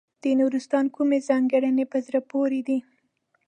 د نورستان کومې ځانګړنې په زړه پورې دي.